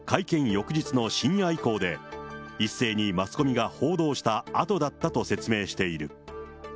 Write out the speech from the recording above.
翌日の深夜以降で、一斉にマスコミが報道したあとだったと説明している。